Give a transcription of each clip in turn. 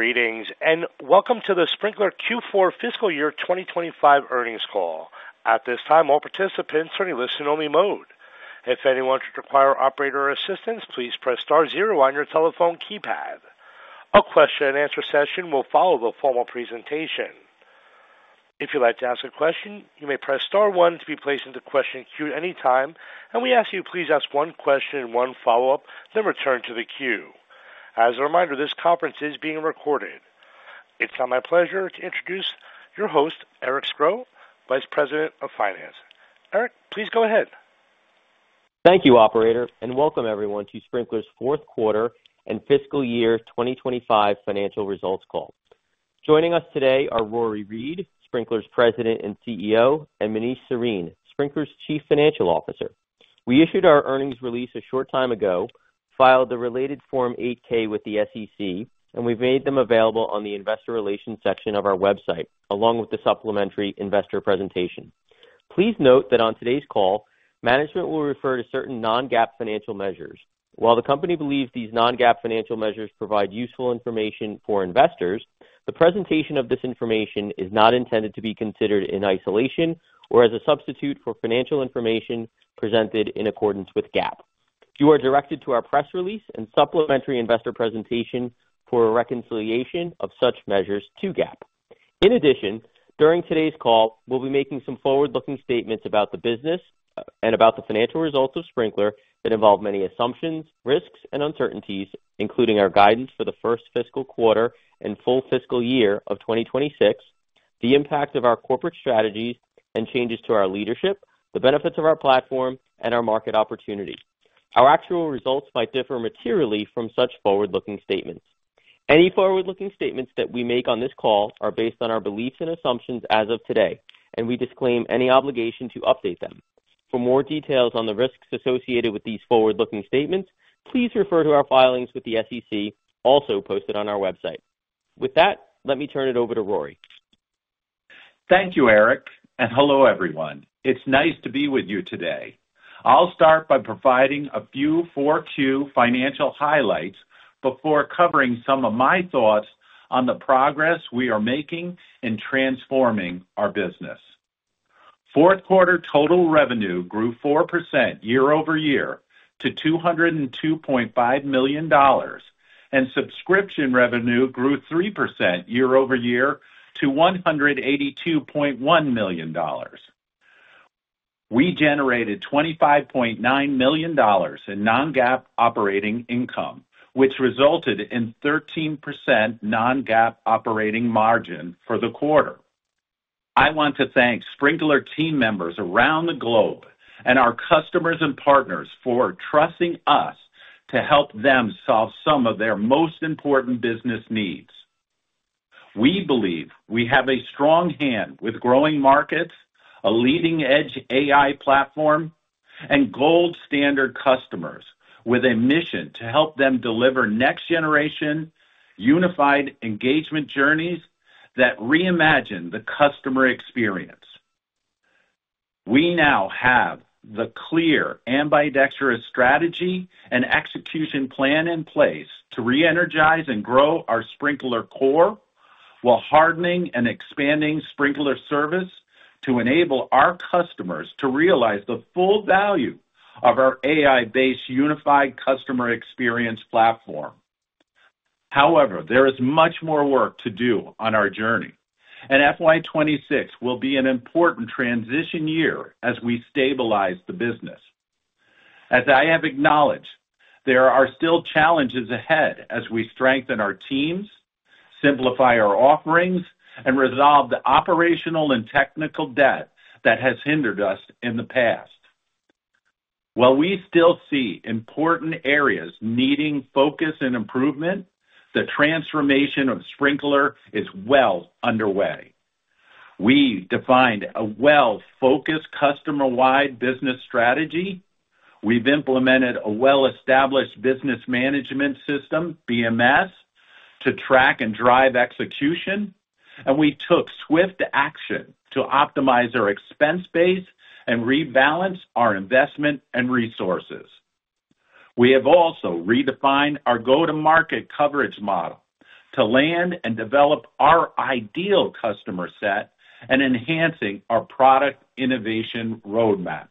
Greetings, and welcome to the Sprinklr Q4 fiscal year 2025 earnings call. At this time, all participants are in listen-only mode. If anyone should require operator assistance, please press star zero on your telephone keypad. A question-and-answer session will follow the formal presentation. If you'd like to ask a question, you may press star one to be placed into question queue at any time, and we ask that you please ask one question and one follow-up, then return to the queue. As a reminder, this conference is being recorded. It's now my pleasure to introduce your host, Eric Scro, Vice President of Finance. Eric, please go ahead. Thank you, Operator, and welcome everyone to Sprinklr's Q4 and fiscal year 2025 financial results call. Joining us today are Rory Read, Sprinklr's President and CEO, and Manish Sarin, Sprinklr's Chief Financial Officer. We issued our earnings release a short time ago, filed the related Form 8-K with the SEC, and we've made them available on the investor relations section of our website, along with the supplementary investor presentation. Please note that on today's call, management will refer to certain non-GAAP financial measures. While the company believes these non-GAAP financial measures provide useful information for investors, the presentation of this information is not intended to be considered in isolation or as a substitute for financial information presented in accordance with GAAP. You are directed to our press release and supplementary investor presentation for a reconciliation of such measures to GAAP. In addition, during today's call, we'll be making some forward-looking statements about the business and about the financial results of Sprinklr that involve many assumptions, risks, and uncertainties, including our guidance for the first fiscal quarter and full fiscal year of 2026, the impact of our corporate strategies and changes to our leadership, the benefits of our platform, and our market opportunity. Our actual results might differ materially from such forward-looking statements. Any forward-looking statements that we make on this call are based on our beliefs and assumptions as of today, and we disclaim any obligation to update them. For more details on the risks associated with these forward-looking statements, please refer to our filings with the SEC, also posted on our website. With that, let me turn it over to Rory. Thank you, Eric, and hello everyone. It's nice to be with you today. I'll start by providing a few Q4 financial highlights before covering some of my thoughts on the progress we are making in transforming our business. Q4 total revenue grew 4% year over year to $202.5 million, and subscription revenue grew 3% year over year to $182.1 million. We generated $25.9 million in non-GAAP operating income, which resulted in 13% non-GAAP operating margin for the quarter. I want to thank Sprinklr team members around the globe and our customers and partners for trusting us to help them solve some of their most important business needs. We believe we have a strong hand with growing markets, a leading-edge AI platform, and gold-standard customers with a mission to help them deliver next-generation unified engagement journeys that reimagine the customer experience. We now have the clear ambidextrous strategy and execution plan in place to re-energize and grow our Sprinklr Core while hardening and expanding Sprinklr Service to enable our customers to realize the full value of our AI-based unified customer experience platform. However, there is much more work to do on our journey, and FY2026 will be an important transition year as we stabilize the business. As I have acknowledged, there are still challenges ahead as we strengthen our teams, simplify our offerings, and resolve the operational and technical debt that has hindered us in the past. While we still see important areas needing focus and improvement, the transformation of Sprinklr is well underway. We defined a well-focused customer-wide business strategy. We've implemented a well-established business management system, BMS, to track and drive execution, and we took swift action to optimize our expense base and rebalance our investment and resources. We have also redefined our go-to-market coverage model to land and develop our ideal customer set and enhancing our product innovation roadmaps.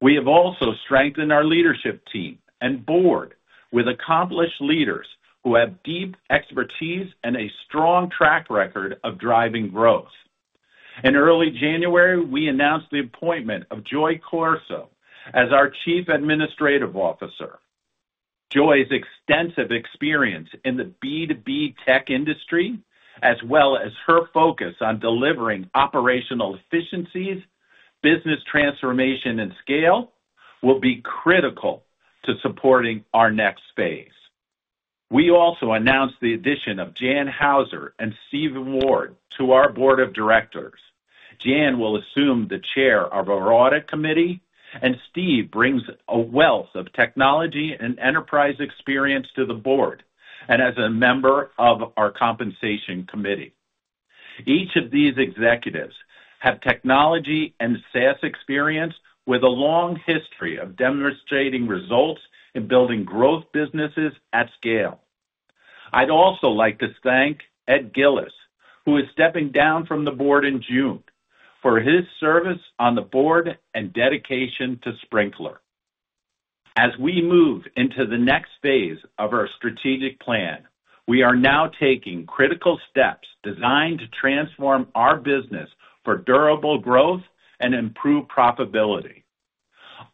We have also strengthened our leadership team and board with accomplished leaders who have deep expertise and a strong track record of driving growth. In early January, we announced the appointment of Joy Corso as our Chief Administrative Officer. Joy's extensive experience in the B2B tech industry, as well as her focus on delivering operational efficiencies, business transformation, and scale, will be critical to supporting our next phase. We also announced the addition of Jan Hauser and Steve Ward to our board of directors. Jan will assume the chair of our audit committee, and Steve brings a wealth of technology and enterprise experience to the board and as a member of our compensation committee. Each of these executives have technology and SaaS experience with a long history of demonstrating results in building growth businesses at scale. I'd also like to thank Ed Gillis, who is stepping down from the board in June, for his service on the board and dedication to Sprinklr. As we move into the next phase of our strategic plan, we are now taking critical steps designed to transform our business for durable growth and improve profitability.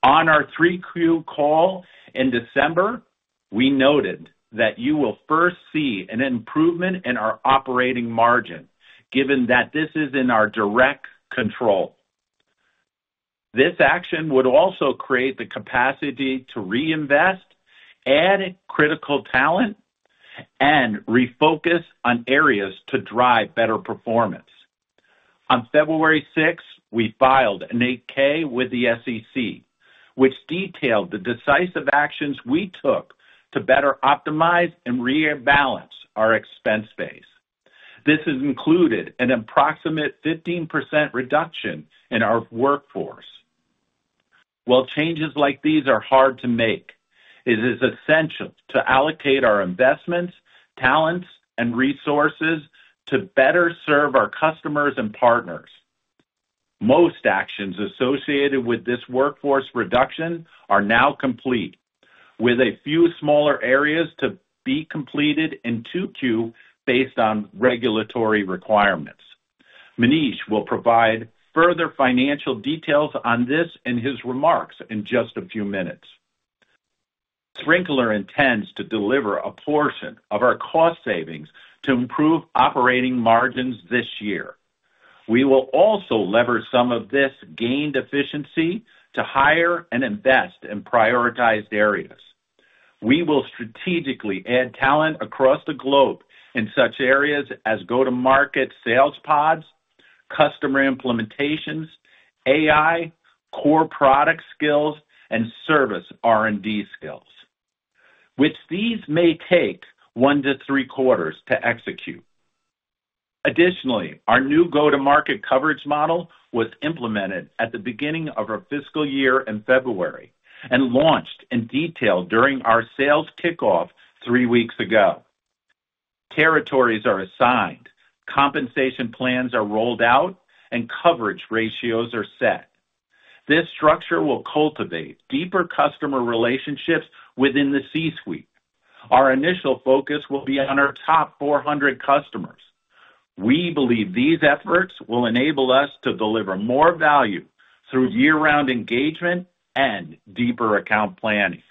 On our Q3 call in December, we noted that you will first see an improvement in our operating margin, given that this is in our direct control. This action would also create the capacity to reinvest, add critical talent, and refocus on areas to drive better performance. On February 6, we filed an 8-K with the SEC, which detailed the decisive actions we took to better optimize and rebalance our expense base. This has included an approximate 15% reduction in our workforce. While changes like these are hard to make, it is essential to allocate our investments, talents, and resources to better serve our customers and partners. Most actions associated with this workforce reduction are now complete, with a few smaller areas to be completed in Q2 based on regulatory requirements. Manish will provide further financial details on this in his remarks in just a few minutes. Sprinklr intends to deliver a portion of our cost savings to improve operating margins this year. We will also leverage some of this gained efficiency to hire and invest in prioritized areas. We will strategically add talent across the globe in such areas as go-to-market sales pods, customer implementations, AI, core product skills, and service R&D skills, which these may take one to three quarters to execute. Additionally, our new go-to-market coverage model was implemented at the beginning of our fiscal year in February and launched in detail during our sales kickoff three weeks ago. Territories are assigned, compensation plans are rolled out, and coverage ratios are set. This structure will cultivate deeper customer relationships within the C-suite. Our initial focus will be on our top 400 customers. We believe these efforts will enable us to deliver more value through year-round engagement and deeper account planning.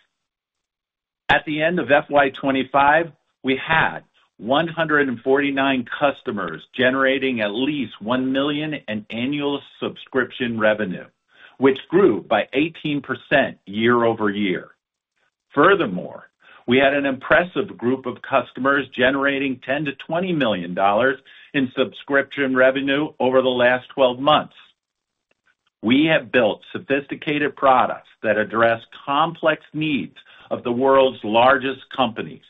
At the end of FY25, we had 149 customers generating at least $1 million in annual subscription revenue, which grew by 18% year over year. Furthermore, we had an impressive group of customers generating $10-$20 million in subscription revenue over the last 12 months. We have built sophisticated products that address complex needs of the world's largest companies.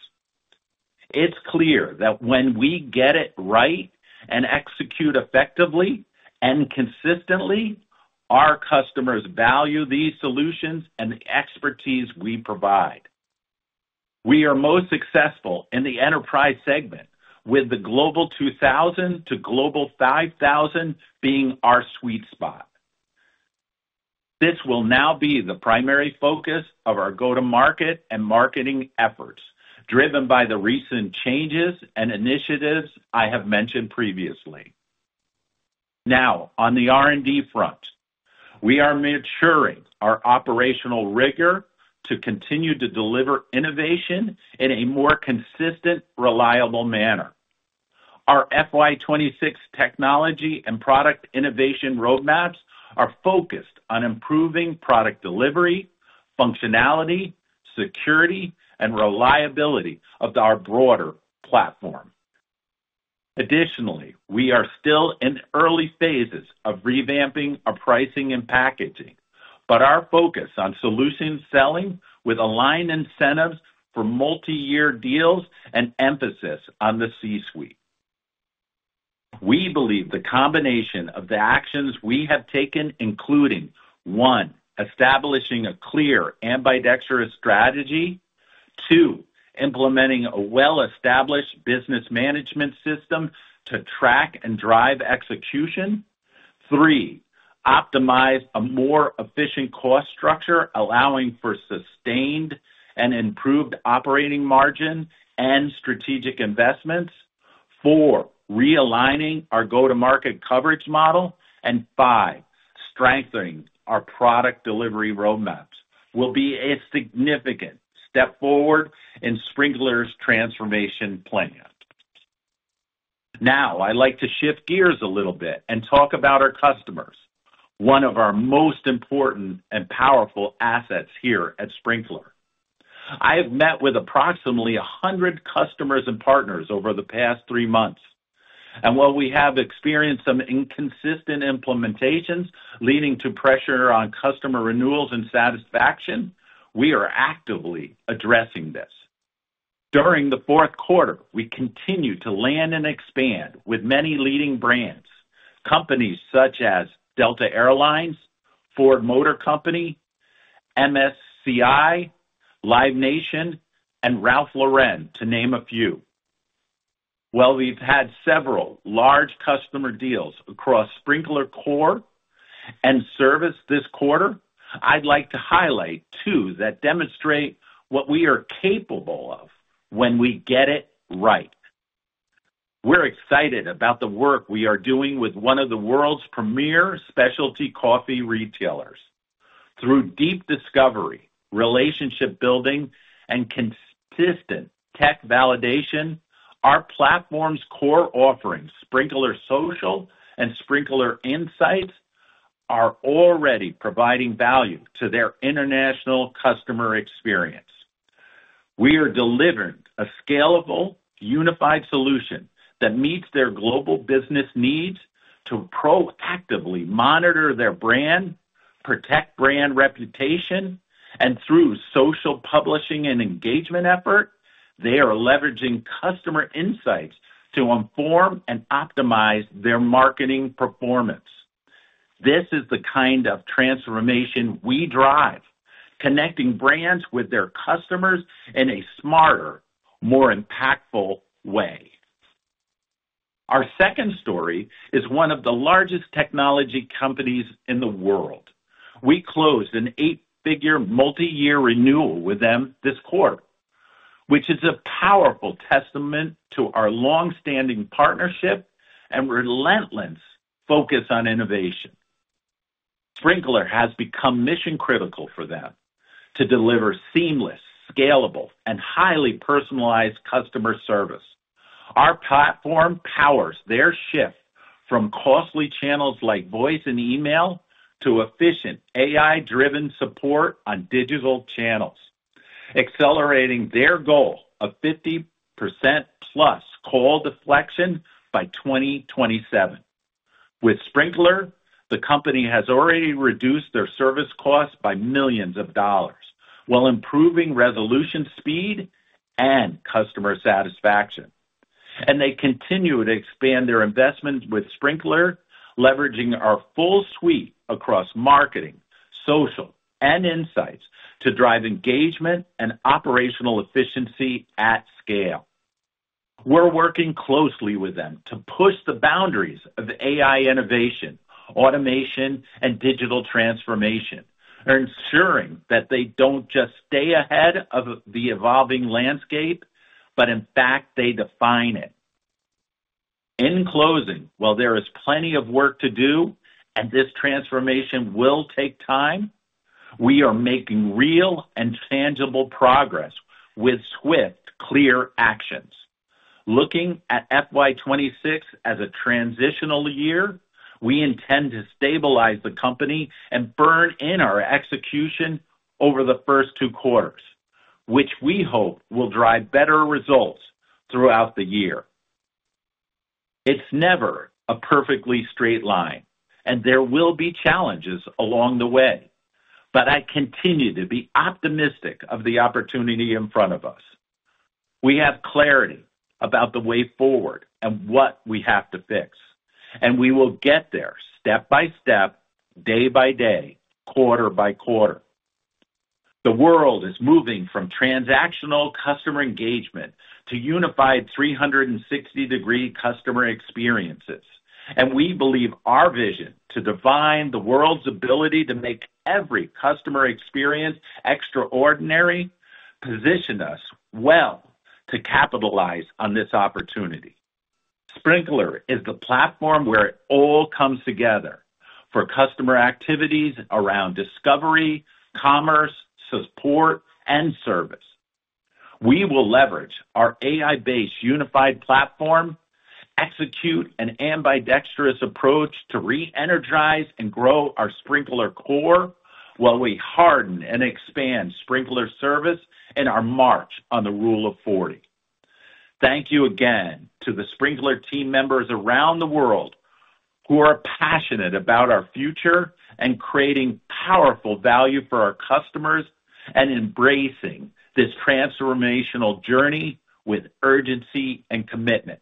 It's clear that when we get it right and execute effectively and consistently, our customers value these solutions and the expertise we provide. We are most successful in the enterprise segment, with the Global 2000 to Global 5000 being our sweet spot. This will now be the primary focus of our go-to-market and marketing efforts, driven by the recent changes and initiatives I have mentioned previously. Now, on the R&D front, we are maturing our operational rigor to continue to deliver innovation in a more consistent, reliable manner. Our FY2026 technology and product innovation roadmaps are focused on improving product delivery, functionality, security, and reliability of our broader platform. Additionally, we are still in early phases of revamping our pricing and packaging, but our focus on solution selling with aligned incentives for multi-year deals and emphasis on the C-suite. We believe the combination of the actions we have taken, including: one, establishing a clear ambidextrous strategy; two, implementing a well-established business management system to track and drive execution; three, optimizing a more efficient cost structure, allowing for sustained and improved operating margin and strategic investments; four, realigning our go-to-market coverage model; and five, strengthening our product delivery roadmaps. It will be a significant step forward in Sprinklr's transformation plan. Now, I'd like to shift gears a little bit and talk about our customers, one of our most important and powerful assets here at Sprinklr. I have met with approximately 100 customers and partners over the past three months, and while we have experienced some inconsistent implementations leading to pressure on customer renewals and satisfaction, we are actively addressing this. During the Q4, we continue to land and expand with many leading brands, companies such as Delta Air Lines, Ford Motor Company, MSCI, Live Nation, and Ralph Lauren, to name a few. While we've had several large customer deals across Sprinklr Core and Service this quarter, I'd like to highlight two that demonstrate what we are capable of when we get it right. We're excited about the work we are doing with one of the world's premier specialty coffee retailers. Through deep discovery, relationship building, and consistent tech validation, our platform's core offerings, Sprinklr Social and Sprinklr Insights, are already providing value to their international customer experience. We are delivering a scalable, unified solution that meets their global business needs to proactively monitor their brand, protect brand reputation, and through social publishing and engagement effort, they are leveraging customer insights to inform and optimize their marketing performance. This is the kind of transformation we drive, connecting brands with their customers in a smarter, more impactful way. Our second story is one of the largest technology companies in the world. We closed an eight-figure multi-year renewal with them this quarter, which is a powerful testament to our long-standing partnership and relentless focus on innovation. Sprinklr has become mission-critical for them to deliver seamless, scalable, and highly personalized customer service. Our platform powers their shift from costly channels like voice and email to efficient AI-driven support on digital channels, accelerating their goal of 50% plus call deflection by 2027. With Sprinklr, the company has already reduced their service costs by millions of dollars while improving resolution speed and customer satisfaction. They continue to expand their investment with Sprinklr, leveraging our full suite across marketing, social, and insights to drive engagement and operational efficiency at scale. We're working closely with them to push the boundaries of AI innovation, automation, and digital transformation, ensuring that they don't just stay ahead of the evolving landscape, but in fact, they define it. In closing, while there is plenty of work to do and this transformation will take time, we are making real and tangible progress with swift, clear actions. Looking at FY2026 as a transitional year, we intend to stabilize the company and burn in our execution over the first two quarters, which we hope will drive better results throughout the year. It's never a perfectly straight line, and there will be challenges along the way, but I continue to be optimistic of the opportunity in front of us. We have clarity about the way forward and what we have to fix, and we will get there step by step, day by day, quarter by quarter. The world is moving from transactional customer engagement to unified 360-degree customer experiences, and we believe our vision to define the world's ability to make every customer experience extraordinary positions us well to capitalize on this opportunity. Sprinklr is the platform where it all comes together for customer activities around discovery, commerce, support, and service. We will leverage our AI-based unified platform, execute an ambidextrous approach to re-energize and grow our Sprinklr Core while we harden and expand Sprinklr Service in our march on the Rule of 40. Thank you again to the Sprinklr team members around the world who are passionate about our future and creating powerful value for our customers and embracing this transformational journey with urgency and commitment.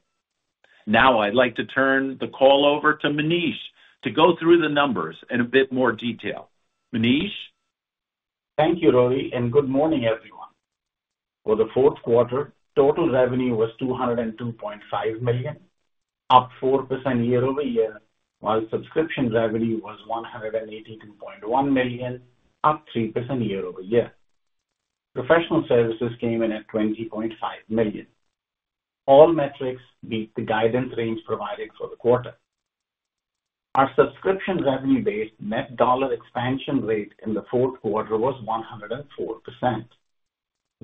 Now, I'd like to turn the call over to Manish to go through the numbers in a bit more detail. Manish? Thank you, Rory, and good morning, everyone. For the Q4, total revenue was $202.5 million, up 4% year over year, while subscription revenue was $182.1 million, up 3% year over year. Professional services came in at $20.5 million. All metrics beat the guidance range provided for the quarter. Our subscription revenue-based net dollar expansion rate in the Q4 was 104%.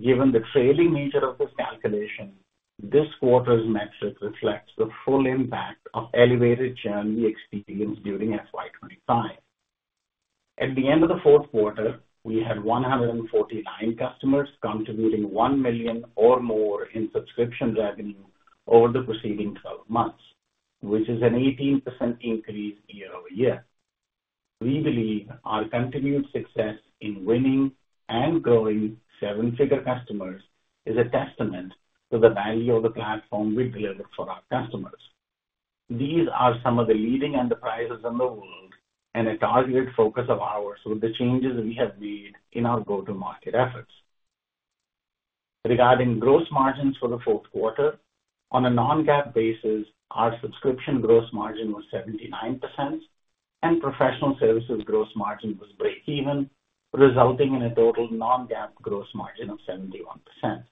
Given the trailing nature of this calculation, this quarter's metric reflects the full impact of elevated journey experience during 2025. At the end of the Q4, we had 149 customers contributing $1 million or more in subscription revenue over the preceding 12 months, which is an 18% increase year over year. We believe our continued success in winning and growing seven-figure customers is a testament to the value of the platform we deliver for our customers. These are some of the leading enterprises in the world and a targeted focus of ours with the changes we have made in our go-to-market efforts. Regarding gross margins for the Q4, on a non-GAAP basis, our subscription gross margin was 79%, and professional services gross margin was breakeven, resulting in a total non-GAAP gross margin of 71%.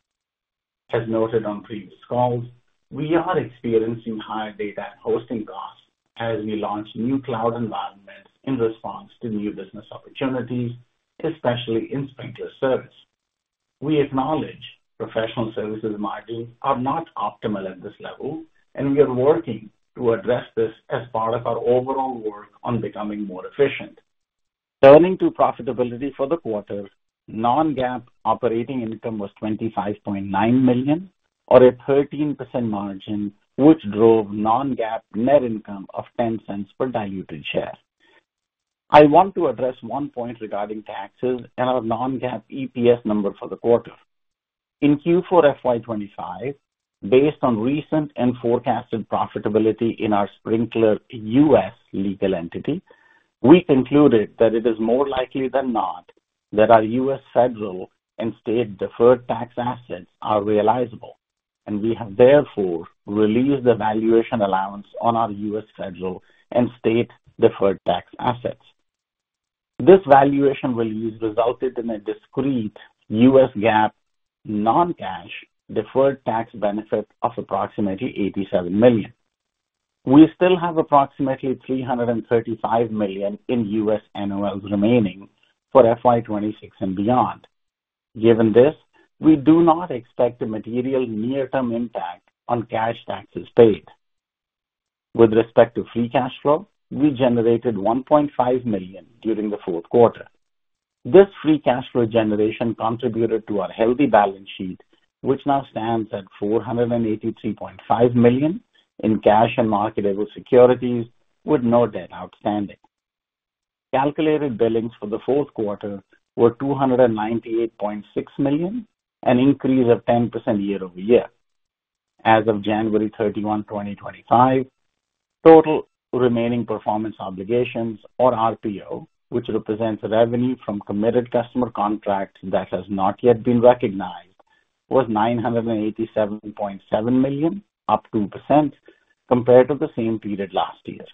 As noted on previous calls, we are experiencing higher data and hosting costs as we launch new cloud environments in response to new business opportunities, especially in Sprinklr Service. We acknowledge professional services margins are not optimal at this level, and we are working to address this as part of our overall work on becoming more efficient. Turning to profitability for the quarter, non-GAAP operating income was $25.9 million, or a 13% margin, which drove non-GAAP net income of $0.10 per diluted share. I want to address one point regarding taxes and our non-GAAP EPS number for the quarter. In Q4 FY2025, based on recent and forecasted profitability in our Sprinklr US legal entity, we concluded that it is more likely than not that our U.S. federal and state deferred tax assets are realizable, and we have therefore released the valuation allowance on our U.S. federal and state deferred tax assets. This valuation release resulted in a discrete U.S. GAAP non-cash deferred tax benefit of approximately $87 million. We still have approximately $335 million in U.S. NOLs remaining for FY2026 and beyond. Given this, we do not expect a material near-term impact on cash taxes paid. With respect to free cash flow, we generated $1.5 million during the Q4. This free cash flow generation contributed to our healthy balance sheet, which now stands at $483.5 million in cash and marketable securities with no debt outstanding. Calculated billings for the Q4 were $298.6 million, an increase of 10% year over year. As of January 31, 2025, total remaining performance obligations, or RPO, which represents revenue from committed customer contracts that has not yet been recognized, was $987.7 million, up 2% compared to the same period last year.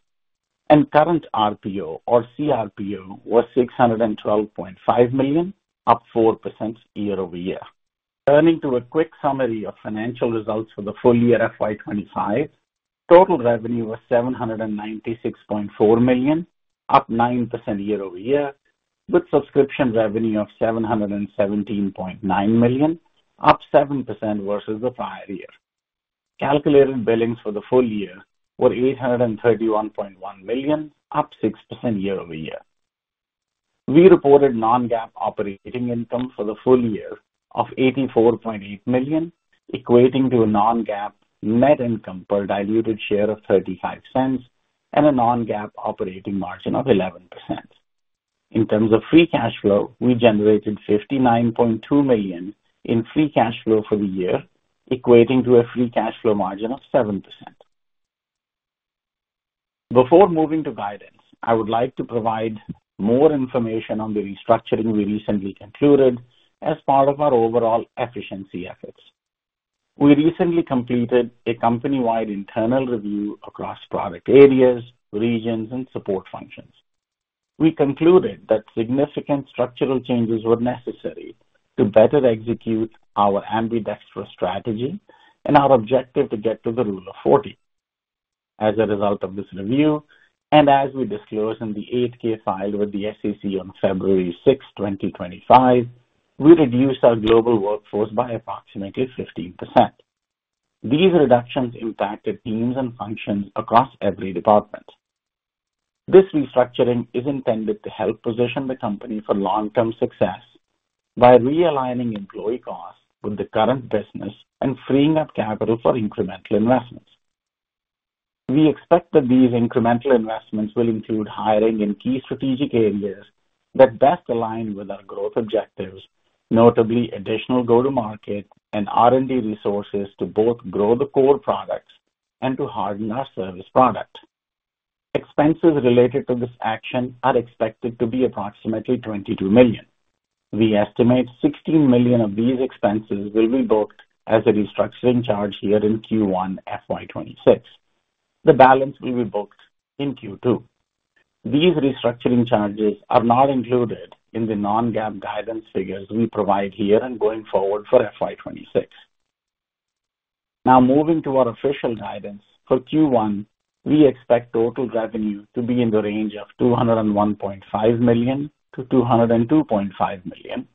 Current RPO, or CRPO, was $612.5 million, up 4% year over year. Turning to a quick summary of financial results for the full year FY25, total revenue was $796.4 million, up 9% year over year, with subscription revenue of $717.9 million, up 7% versus the prior year. Calculated billings for the full year were $831.1 million, up 6% year over year. We reported non-GAAP operating income for the full year of $84.8 million, equating to a non-GAAP net income per diluted share of $0.35 and a non-GAAP operating margin of 11%. In terms of free cash flow, we generated $59.2 million in free cash flow for the year, equating to a free cash flow margin of 7%. Before moving to guidance, I would like to provide more information on the restructuring we recently concluded as part of our overall efficiency efforts. We recently completed a company-wide internal review across product areas, regions, and support functions. We concluded that significant structural changes were necessary to better execute our ambidextrous strategy and our objective to get to the Rule of 40. As a result of this review, and as we disclosed in the 8-K filed with the SEC on February 6, 2025, we reduced our global workforce by approximately 15%. These reductions impacted teams and functions across every department. This restructuring is intended to help position the company for long-term success by realigning employee costs with the current business and freeing up capital for incremental investments. We expect that these incremental investments will include hiring in key strategic areas that best align with our growth objectives, notably additional go-to-market and R&D resources to both grow the core products and to harden our service product. Expenses related to this action are expected to be approximately $22 million. We estimate $16 million of these expenses will be booked as a restructuring charge here in Q1 FY2026. The balance will be booked in Q2. These restructuring charges are not included in the non-GAAP guidance figures we provide here and going forward for FY2026. Now, moving to our official guidance for Q1, we expect total revenue to be in the range of $201.5 million-$202.5 million,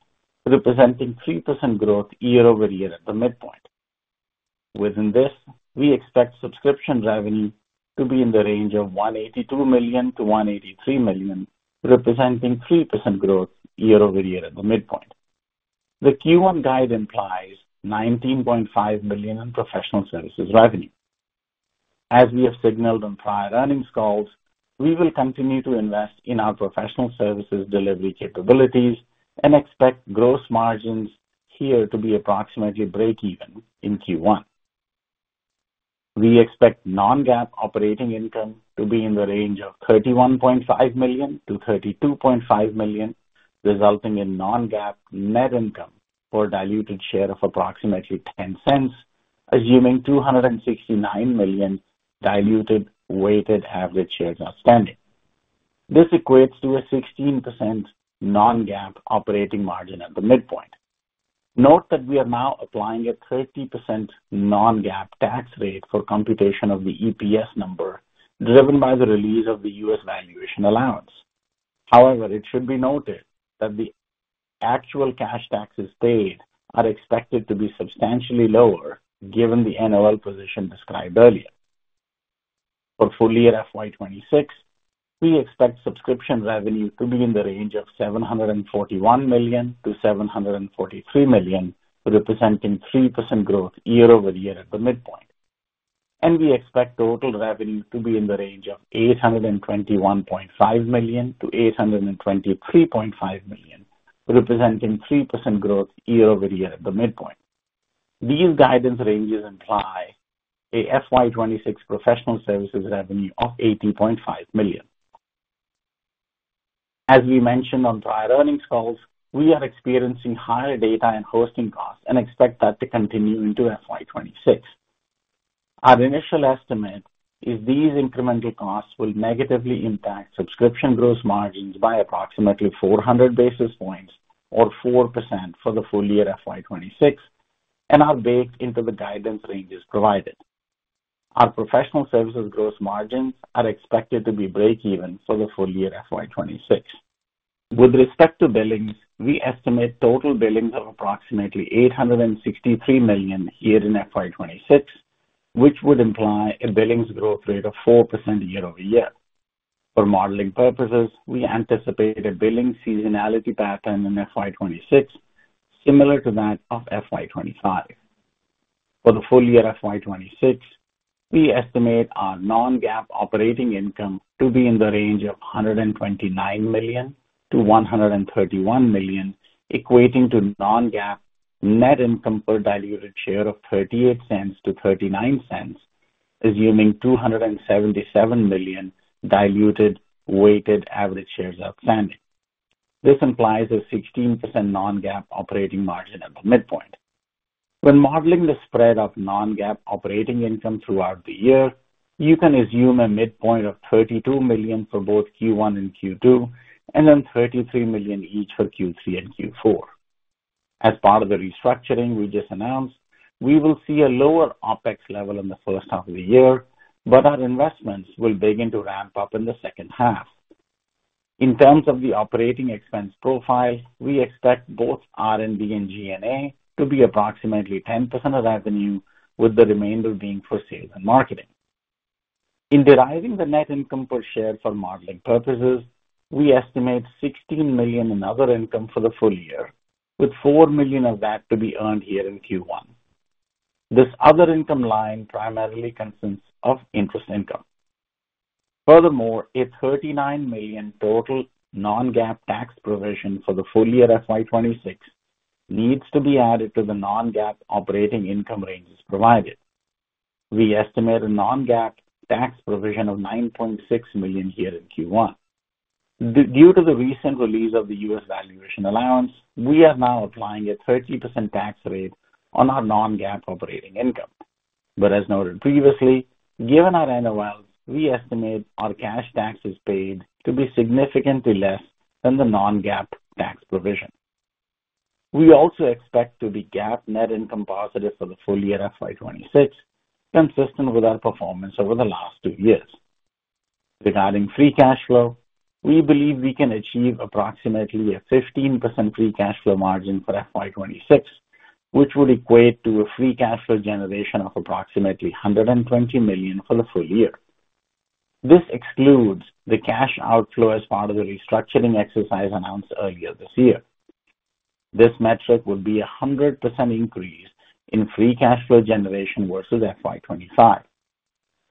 representing 3% growth year over year at the midpoint. Within this, we expect subscription revenue to be in the range of $182 million-$183 million, representing 3% growth year over year at the midpoint. The Q1 guide implies $19.5 million in professional services revenue. As we have signaled on prior earnings calls, we will continue to invest in our professional services delivery capabilities and expect gross margins here to be approximately breakeven in Q1. We expect non-GAAP operating income to be in the range of $31.5 million-$32.5 million, resulting in non-GAAP net income per diluted share of approximately $0.10, assuming 269 million diluted weighted average shares outstanding. This equates to a 16% non-GAAP operating margin at the midpoint. Note that we are now applying a 30% non-GAAP tax rate for computation of the EPS number driven by the release of the U.S. valuation allowance. However, it should be noted that the actual cash taxes paid are expected to be substantially lower given the NOL position described earlier. For full year FY2026, we expect subscription revenue to be in the range of $741 million-$743 million, representing 3% growth year over year at the midpoint. We expect total revenue to be in the range of $821.5 million-$823.5 million, representing 3% growth year over year at the midpoint. These guidance ranges imply a FY2026 professional services revenue of $80.5 million. As we mentioned on prior earnings calls, we are experiencing higher data and hosting costs and expect that to continue into FY2026. Our initial estimate is these incremental costs will negatively impact subscription gross margins by approximately 400 basis points or 4% for the full year FY26 and are baked into the guidance ranges provided. Our professional services gross margins are expected to be breakeven for the full year FY26. With respect to billings, we estimate total billings of approximately $863 million here in FY26, which would imply a billings growth rate of 4% year over year. For modeling purposes, we anticipate a billing seasonality pattern in FY26 similar to that of FY25. For the full year FY26, we estimate our non-GAAP operating income to be in the range of $129 million-$131 million, equating to non-GAAP net income per diluted share of $0.38-$0.39, assuming 277 million diluted weighted average shares outstanding. This implies a 16% non-GAAP operating margin at the midpoint. When modeling the spread of non-GAAP operating income throughout the year, you can assume a midpoint of $32 million for both Q1 and Q2, and then $33 million each for Q3 and Q4. As part of the restructuring we just announced, we will see a lower OPEX level in the first half of the year, but our investments will begin to ramp up in the second half. In terms of the operating expense profile, we expect both R&D and G&A to be approximately 10% of revenue, with the remainder being for sales and marketing. In deriving the net income per share for modeling purposes, we estimate $16 million in other income for the full year, with $4 million of that to be earned here in Q1. This other income line primarily consists of interest income. Furthermore, a $39 million total non-GAAP tax provision for the full year FY26 needs to be added to the non-GAAP operating income ranges provided. We estimate a non-GAAP tax provision of $9.6 million here in Q1. Due to the recent release of the U.S. valuation allowance, we are now applying a 30% tax rate on our non-GAAP operating income. As noted previously, given our NOLs, we estimate our cash taxes paid to be significantly less than the non-GAAP tax provision. We also expect to be GAAP net income positive for the full year FY26, consistent with our performance over the last two years. Regarding free cash flow, we believe we can achieve approximately a 15% free cash flow margin for FY26, which would equate to a free cash flow generation of approximately $120 million for the full year. This excludes the cash outflow as part of the restructuring exercise announced earlier this year. This metric would be a 100% increase in free cash flow generation versus FY25.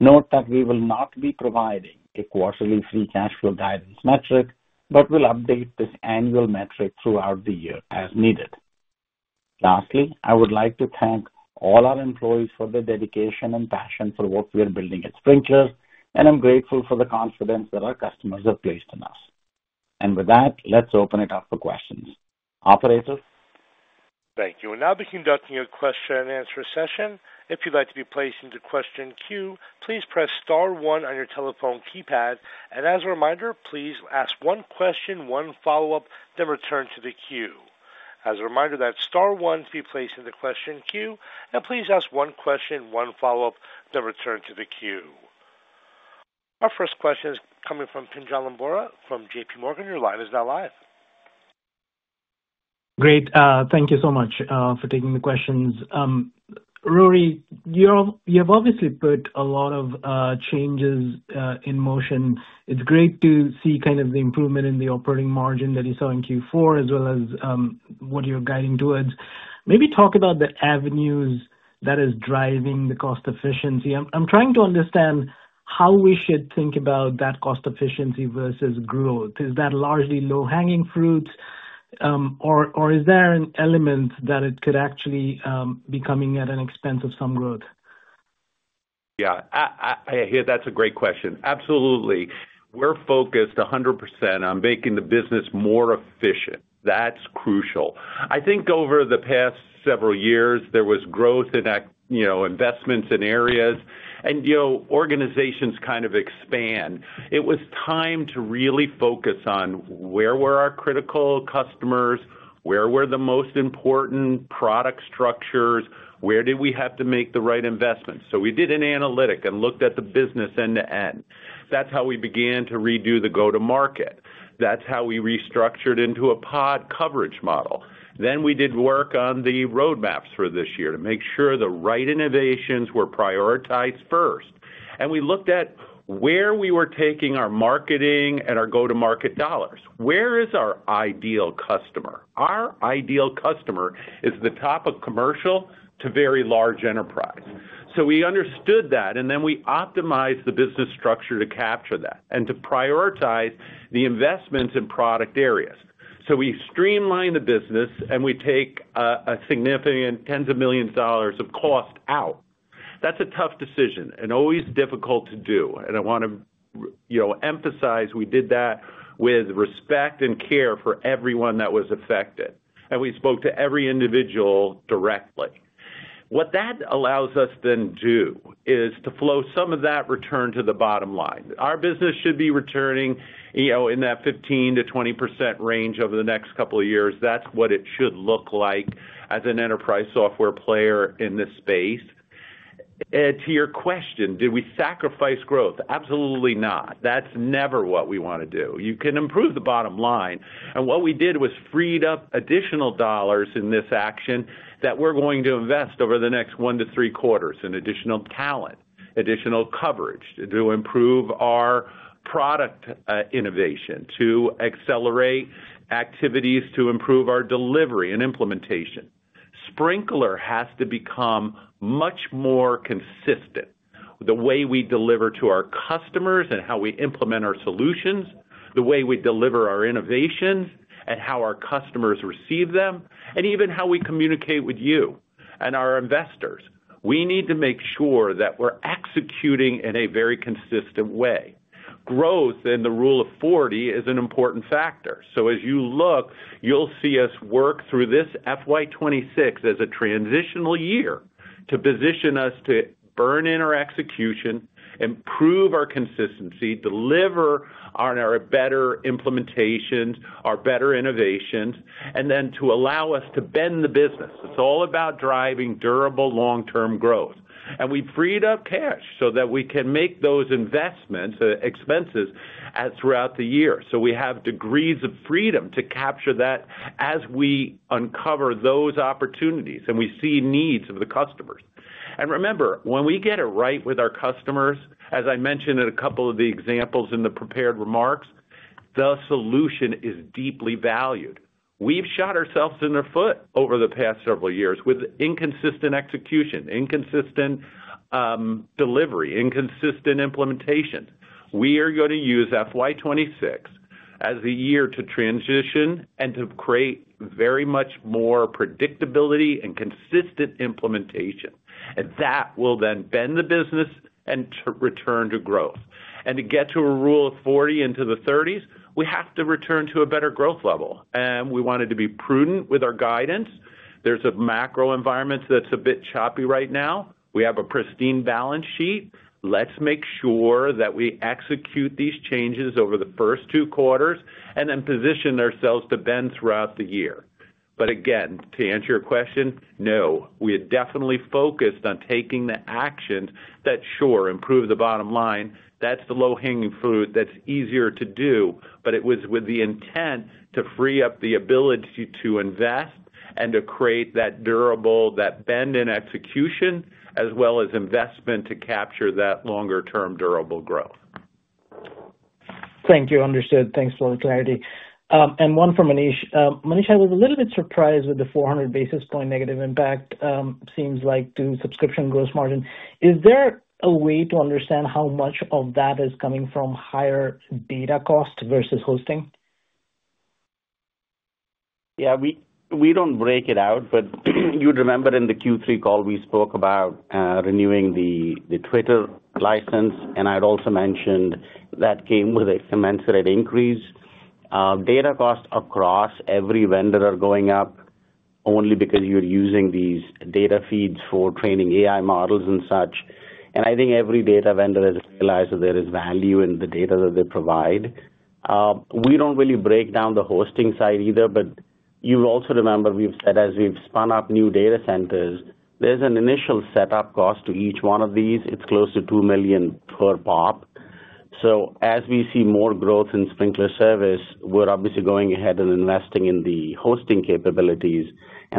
Note that we will not be providing a quarterly free cash flow guidance metric, but will update this annual metric throughout the year as needed. Lastly, I would like to thank all our employees for their dedication and passion for what we are building at Sprinklr, and I'm grateful for the confidence that our customers have placed in us. With that, let's open it up for questions. Operator. Thank you. Now the conducting of question and answer session. If you'd like to be placed into question queue, please press star one on your telephone keypad. As a reminder, please ask one question, one follow-up, then return to the queue. As a reminder, that's star one to be placed into question queue. Please ask one question, one follow-up, then return to the queue. Our first question is coming from Pinjalim Bora from JPMorgan. Your line is now live. Great. Thank you so much for taking the questions. Rory, you have obviously put a lot of changes in motion. It's great to see kind of the improvement in the operating margin that you saw in Q4, as well as what you're guiding towards. Maybe talk about the avenues that are driving the cost efficiency. I'm trying to understand how we should think about that cost efficiency versus growth. Is that largely low-hanging fruit, or is there an element that it could actually be coming at an expense of some growth? Yeah. I hear that's a great question. Absolutely. We're focused 100% on making the business more efficient. That's crucial. I think over the past several years, there was growth in investments in areas, and organizations kind of expand. It was time to really focus on where were our critical customers, where were the most important product structures, where did we have to make the right investments. We did an analytic and looked at the business end-to-end. That is how we began to redo the go-to-market. That is how we restructured into a pod coverage model. We did work on the roadmaps for this year to make sure the right innovations were prioritized first. We looked at where we were taking our marketing and our go-to-market dollars. Where is our ideal customer? Our ideal customer is the top of commercial to very large enterprise. We understood that, and then we optimized the business structure to capture that and to prioritize the investments in product areas. We streamline the business, and we take a significant tens of millions of dollars of cost out. That's a tough decision and always difficult to do. I want to emphasize we did that with respect and care for everyone that was affected. We spoke to every individual directly. What that allows us then to do is to flow some of that return to the bottom line. Our business should be returning in that 15%-20% range over the next couple of years. That's what it should look like as an enterprise software player in this space. To your question, did we sacrifice growth? Absolutely not. That's never what we want to do. You can improve the bottom line. What we did was freed up additional dollars in this action that we're going to invest over the next one to three quarters in additional talent, additional coverage to improve our product innovation, to accelerate activities, to improve our delivery and implementation. Sprinklr has to become much more consistent with the way we deliver to our customers and how we implement our solutions, the way we deliver our innovations, and how our customers receive them, and even how we communicate with you and our investors. We need to make sure that we're executing in a very consistent way. Growth and the Rule of 40 is an important factor. As you look, you'll see us work through this FY26 as a transitional year to position us to burn in our execution, improve our consistency, deliver on our better implementations, our better innovations, and then to allow us to bend the business. It's all about driving durable long-term growth. We freed up cash so that we can make those investments and expenses throughout the year. We have degrees of freedom to capture that as we uncover those opportunities and we see needs of the customers. Remember, when we get it right with our customers, as I mentioned in a couple of the examples in the prepared remarks, the solution is deeply valued. We've shot ourselves in the foot over the past several years with inconsistent execution, inconsistent delivery, inconsistent implementation. We are going to use FY26 as the year to transition and to create very much more predictability and consistent implementation. That will then bend the business and return to growth. To get to a Rule of 40 into the 30s, we have to return to a better growth level. We wanted to be prudent with our guidance. There is a macro environment that is a bit choppy right now. We have a pristine balance sheet. Let's make sure that we execute these changes over the first two quarters and then position ourselves to bend throughout the year. Again, to answer your question, no. We had definitely focused on taking the actions that, sure, improve the bottom line. That's the low-hanging fruit that's easier to do, but it was with the intent to free up the ability to invest and to create that durable, that bend in execution, as well as investment to capture that longer-term durable growth. Thank you. Understood. Thanks for the clarity. And one for Manish. Manish, I was a little bit surprised with the 400 basis point negative impact, seems like, to subscription gross margin. Is there a way to understand how much of that is coming from higher data cost versus hosting? Yeah. We don't break it out, but you'd remember in the Q3 call, we spoke about renewing the Twitter license, and I'd also mentioned that came with a commensurate increase. Data costs across every vendor are going up only because you're using these data feeds for training AI models and such. I think every data vendor has realized that there is value in the data that they provide. We do not really break down the hosting side either, but you will also remember we have said as we have spun up new data centers, there is an initial setup cost to each one of these. It is close to $2 million per pop. As we see more growth in Sprinklr Service, we are obviously going ahead and investing in the hosting capabilities.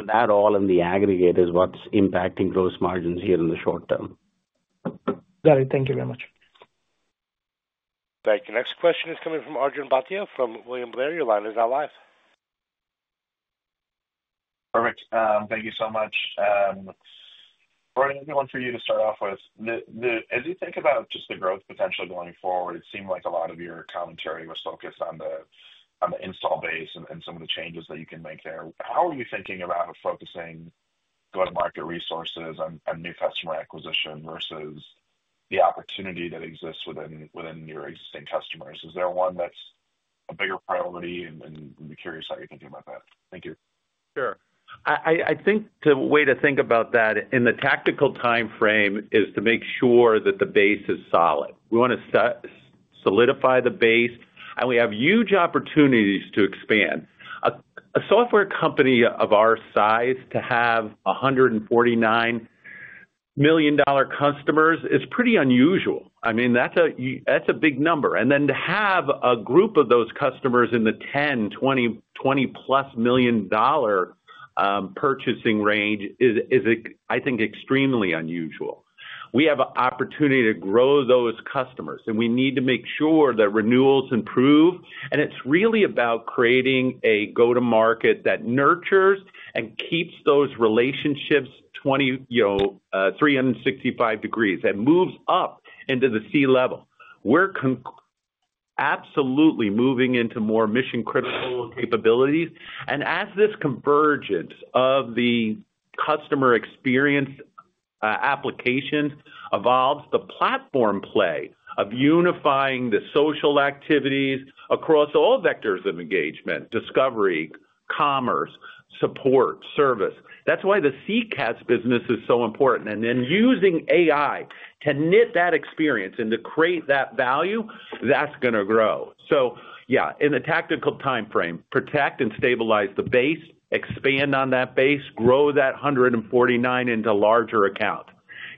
That all in the aggregate is what is impacting gross margins here in the short term. Got it. Thank you very much. Thank you. Next question is coming from Arjun Bhatia from William Blair. Your line is now live. Perfect. Thank you so much. Rory, I want for you to start off with, as you think about just the growth potential going forward, it seemed like a lot of your commentary was focused on the install base and some of the changes that you can make there. How are you thinking about focusing go-to-market resources and new customer acquisition versus the opportunity that exists within your existing customers? Is there one that's a bigger priority? I'm curious how you're thinking about that. Thank you. Sure. I think the way to think about that in the tactical timeframe is to make sure that the base is solid. We want to solidify the base, and we have huge opportunities to expand. A software company of our size to have $149 million customers is pretty unusual. I mean, that's a big number. To have a group of those customers in the $10 million, $20 million, $20 million-plus purchasing range is, I think, extremely unusual. We have an opportunity to grow those customers, and we need to make sure that renewals improve. It is really about creating a go-to-market that nurtures and keeps those relationships 365 degrees and moves up into the C level. We are absolutely moving into more mission-critical capabilities. As this convergence of the customer experience application evolves, the platform play of unifying the social activities across all vectors of engagement, discovery, commerce, support, service. That is why the CCaaS business is so important. Using AI to knit that experience and to create that value, that is going to grow. In the tactical timeframe, protect and stabilize the base, expand on that base, grow that 149 into larger accounts.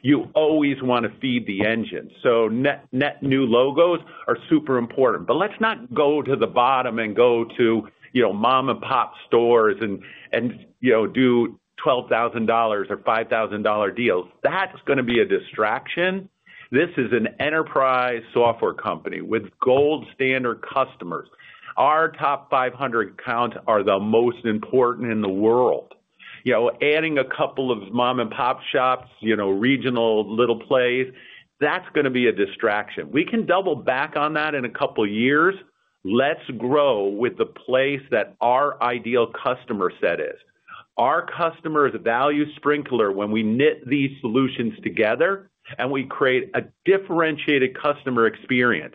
You always want to feed the engine. Net new logos are super important. Let's not go to the bottom and go to mom-and-pop stores and do $12,000 or $5,000 deals. That's going to be a distraction. This is an enterprise software company with gold-standard customers. Our top 500 accounts are the most important in the world. Adding a couple of mom-and-pop shops, regional little plays, that's going to be a distraction. We can double back on that in a couple of years. Let's grow with the place that our ideal customer set is. Our customers value Sprinklr when we knit these solutions together and we create a differentiated customer experience.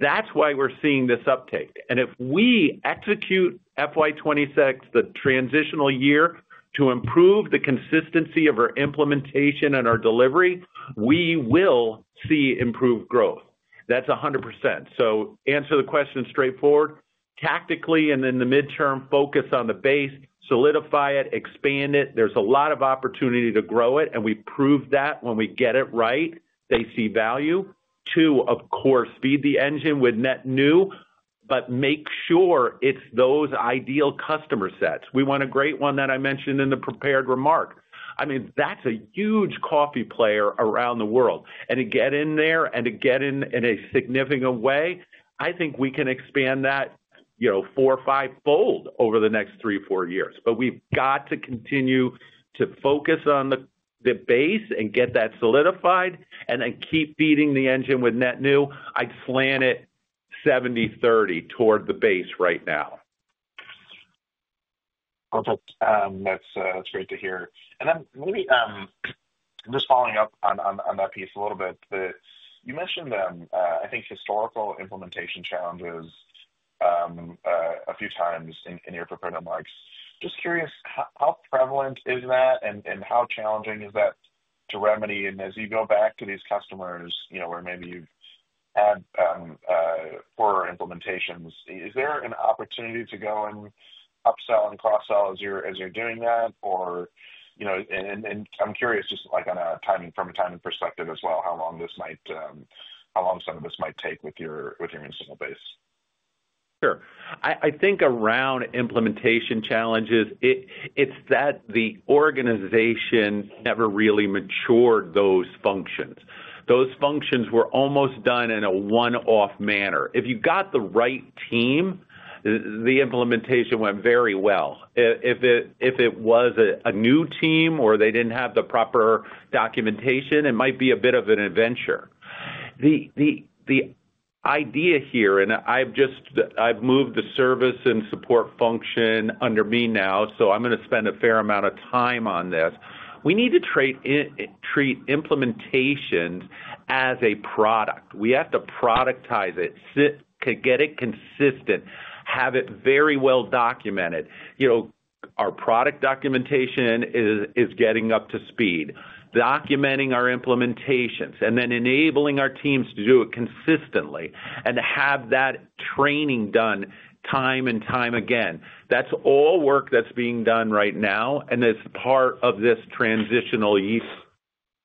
That's why we're seeing this uptake. If we execute FY2026, the transitional year, to improve the consistency of our implementation and our delivery, we will see improved growth. That's 100%. Answer the question straightforward. Tactically and in the midterm, focus on the base, solidify it, expand it. There's a lot of opportunity to grow it, and we prove that when we get it right, they see value. Two, of course, feed the engine with net new, but make sure it's those ideal customer sets. We want a great one that I mentioned in the prepared remark. I mean, that's a huge coffee player around the world. To get in there and to get in in a significant way, I think we can expand that four- or five-fold over the next three or four years. We have to continue to focus on the base and get that solidified and then keep feeding the engine with net new. I'd slant it 70/30 toward the base right now. Perfect. That's great to hear. Maybe just following up on that piece a little bit, you mentioned, I think, historical implementation challenges a few times in your prepared remarks. Just curious, how prevalent is that, and how challenging is that to remedy? As you go back to these customers where maybe you've had poorer implementations, is there an opportunity to go and upsell and cross-sell as you're doing that? I'm curious, just from a timing perspective as well, how long some of this might take with your install base. Sure. I think around implementation challenges, it's that the organization never really matured those functions. Those functions were almost done in a one-off manner. If you got the right team, the implementation went very well. If it was a new team or they didn't have the proper documentation, it might be a bit of an adventure. The idea here, and I've moved the service and support function under me now, so I'm going to spend a fair amount of time on this. We need to treat implementations as a product. We have to productize it, get it consistent, have it very well documented. Our product documentation is getting up to speed, documenting our implementations, and then enabling our teams to do it consistently and have that training done time and time again. That's all work that's being done right now, and it's part of this transitional year.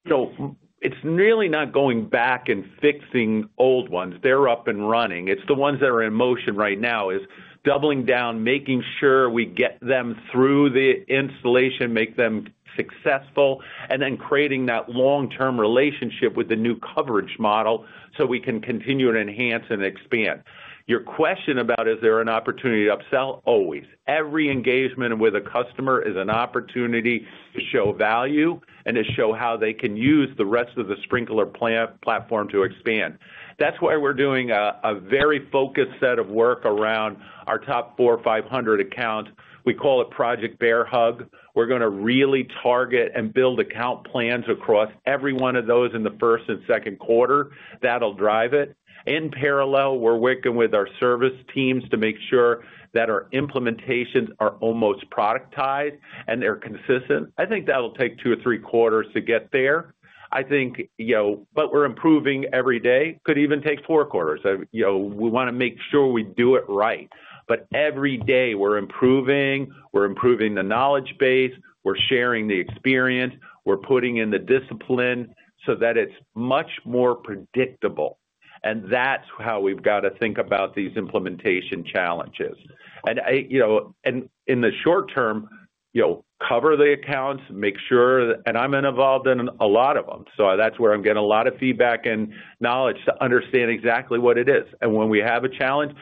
It is really not going back and fixing old ones. They're up and running. It's the ones that are in motion right now, is doubling down, making sure we get them through the installation, make them successful, and then creating that long-term relationship with the new coverage model so we can continue to enhance and expand. Your question about is there an opportunity to upsell? Always. Every engagement with a customer is an opportunity to show value and to show how they can use the rest of the Sprinklr platform to expand. That's why we're doing a very focused set of work around our top 400 or 500 accounts. We call it Project Bear Hug. We're going to really target and build account plans across every one of those in the first and Q2. That'll drive it. In parallel, we're working with our service teams to make sure that our implementations are almost productized and they're consistent. I think that'll take two or three quarters to get there. I think, but we're improving every day. Could even take four quarters. We want to make sure we do it right. Every day, we're improving. We're improving the knowledge base. We're sharing the experience. We're putting in the discipline so that it's much more predictable. That's how we've got to think about these implementation challenges. In the short term, cover the accounts, make sure that and I'm involved in a lot of them. That's where I'm getting a lot of feedback and knowledge to understand exactly what it is. When we have a challenge,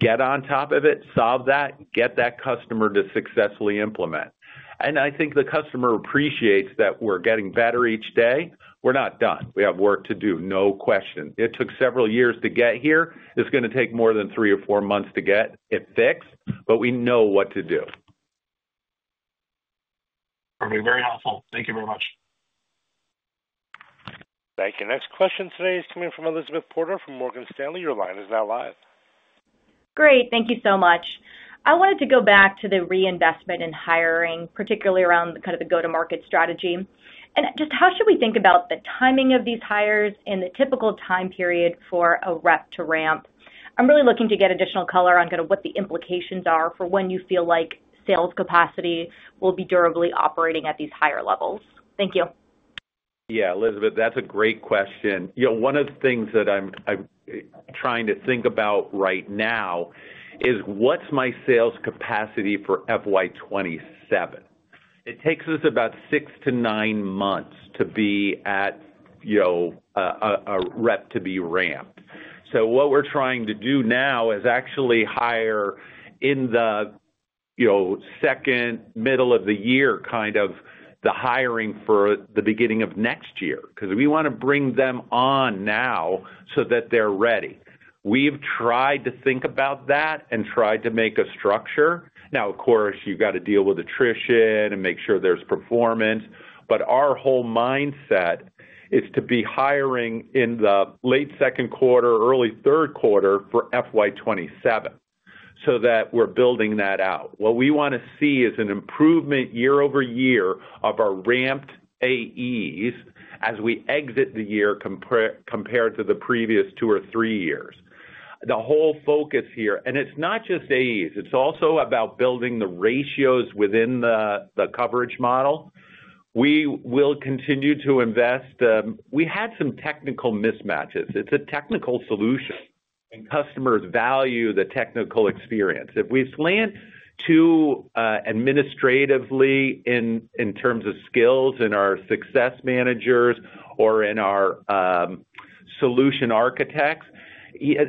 get on top of it, solve that, get that customer to successfully implement. I think the customer appreciates that we're getting better each day. We're not done. We have work to do, no question. It took several years to get here. It's going to take more than three or four months to get it fixed, but we know what to do. That'll be very helpful. Thank you very much. Thank you. Next question today is coming from Elizabeth Porter from Morgan Stanley. Your line is now live. Great. Thank you so much. I wanted to go back to the reinvestment in hiring, particularly around kind of the go-to-market strategy. Just how should we think about the timing of these hires and the typical time period for a rep to ramp? I'm really looking to get additional color on kind of what the implications are for when you feel like sales capacity will be durably operating at these higher levels. Thank you. Yeah, Elizabeth, that's a great question. One of the things that I'm trying to think about right now is what's my sales capacity for FY2027? It takes us about six to nine months to be at a rep to be ramped. What we're trying to do now is actually hire in the second, middle of the year, kind of the hiring for the beginning of next year because we want to bring them on now so that they're ready. We've tried to think about that and tried to make a structure. Of course, you've got to deal with attrition and make sure there's performance. Our whole mindset is to be hiring in the late Q2, early Q3 for FY2027 so that we're building that out. What we want to see is an improvement year over year of our ramped AEs as we exit the year compared to the previous two or three years. The whole focus here—it's not just AEs. It's also about building the ratios within the coverage model. We will continue to invest. We had some technical mismatches. It's a technical solution, and customers value the technical experience. If we slant too administratively in terms of skills in our success managers or in our solution architects,